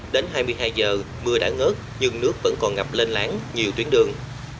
đến hai mươi hai h mưa đã ngớt nhưng nước vẫn còn ngập lên lãng nhiều tuyến đường